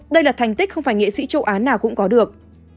đây là thành tích không phải nghệ sĩ châu á nào cũng có được